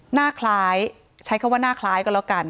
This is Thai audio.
หน้าคล้าย